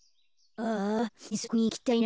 ああえんそくにいきたいな。